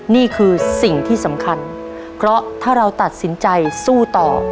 นี่คือสิ่งที่สำคัญเพราะถ้าเราตัดสินใจสู้ต่อ